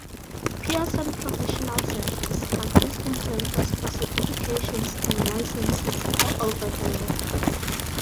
Pearson Professional Centers are testing centers for certifications and licenses all over the world.